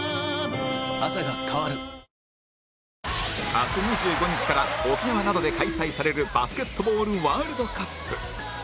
明日２５日から沖縄などで開催されるバスケットボールワールドカップ